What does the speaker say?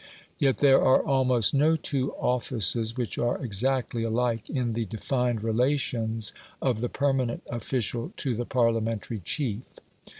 Yet there are almost no two offices which are exactly alike in the defined relations of the permanent official to the Parliamentary chief.